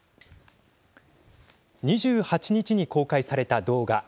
２８日に公開された動画。